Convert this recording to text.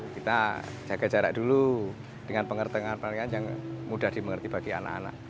kita jaga jarak dulu dengan pengertian pengertian yang mudah dimengerti bagi anak anak